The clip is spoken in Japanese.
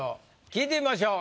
聞いてみましょう。